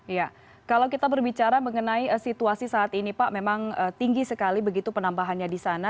iya kalau kita berbicara mengenai situasi saat ini pak memang tinggi sekali begitu penambahannya di sana